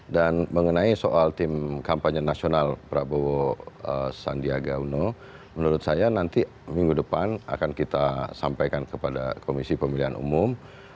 dan mengenai soal tim kampanye nasional prabowo sandiaga uno menurut saya nanti minggu depan akan kita sampaikan kepada komisi pemilihan umum